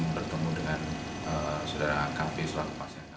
bertemu dengan saudara kafe selaku pasien